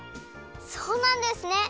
そうなんですね！